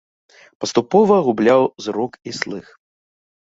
Паступова губляў зрок і слых.